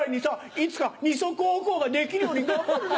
いつか二足歩行ができるように頑張るぜ。